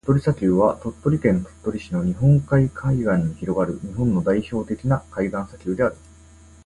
鳥取砂丘は、鳥取県鳥取市の日本海海岸に広がる日本の代表的な海岸砂丘である。